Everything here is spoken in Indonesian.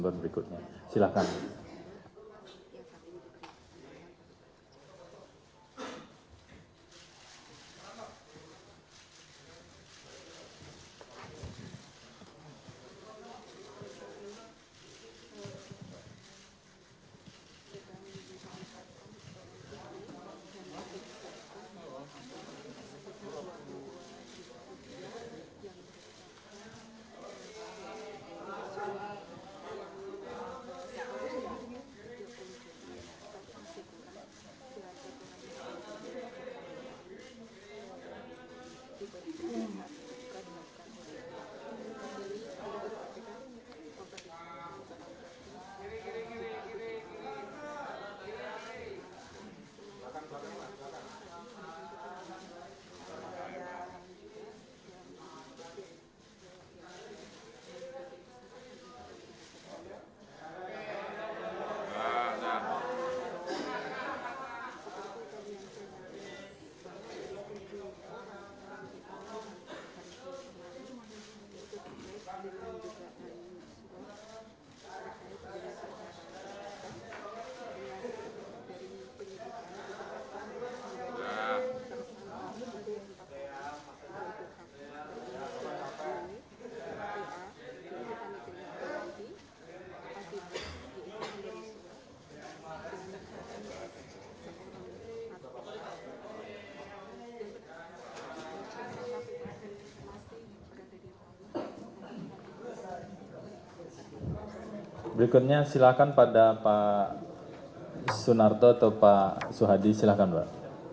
berikutnya silakan pada pak sunarto atau pak suhadi silakan pak